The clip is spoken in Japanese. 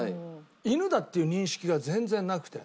犬だっていう認識が全然なくて。